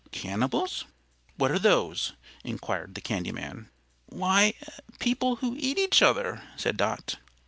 "Cannibals! What are those?" inquired the candy man. "Why, people who eat each other," said Dot.